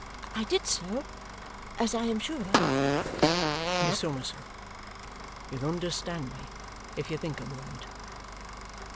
I did so, as I am sure. "Miss Summerson, you'll understand me, if you think a moment.